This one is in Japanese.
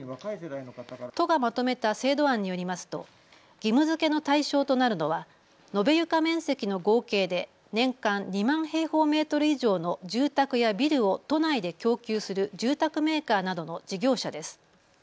都がまとめた制度案によりますと義務づけの対象となるのは延べ床面積の合計で年間２万平方メートル以上の住宅やビルを都内で供給する住宅メーカーなどの事業者です。